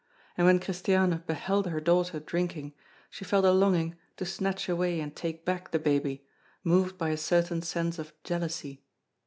And when Christiane beheld her daughter drinking, she felt a longing to snatch away and take back the baby, moved by a certain sense of jealousy.